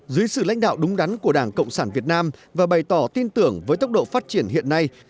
dưới sự lãnh đạo đúng đắn của đảng cộng sản việt nam và bày tỏ tin tưởng với tốc độ phát triển hiện nay